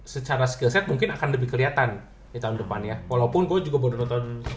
secara skill set mungkin akan lebih kelihatan di tahun depan ya walaupun gue juga baru nonton